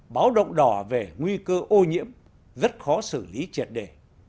báo động đỏ về nguy cơ ô nhiễm rất khó xử lý triệt đề